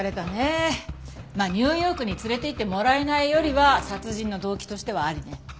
まあニューヨークに連れて行ってもらえないよりは殺人の動機としてはありね。